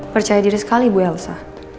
percaya diri sekali bu elsa